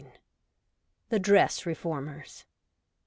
— The Dress Reformers.